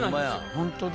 ホントだ。